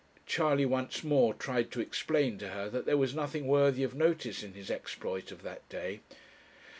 Charley once more tried to explain to her that there was nothing worthy of notice in his exploit of that day.